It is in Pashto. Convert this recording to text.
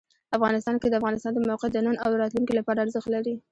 افغانستان کې د افغانستان د موقعیت د نن او راتلونکي لپاره ارزښت لري.